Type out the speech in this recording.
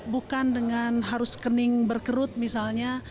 bukan dengan harus kening berkerut misalnya